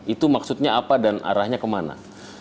itu maksudnya apa dan arahnya kemana